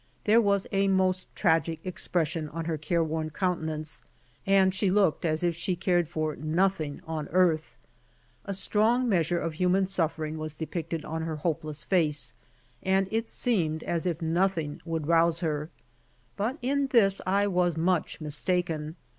There was a most tragic expression on her care worn countenance and she looked as if she cared for nothing on earth. A strong measure of human suffering was depicted on her hopeless face, and it seemed as if nothing would rouse her. But in this I was much mistaken.